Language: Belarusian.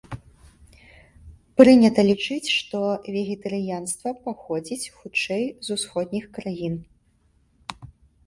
Прынята лічыць, што вегетарыянства паходзіць хутчэй з усходніх краін.